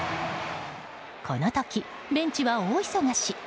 この時、ベンチは大忙し。